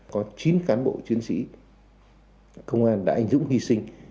có chín cán bộ chiến sĩ công an đã dũng hi sinh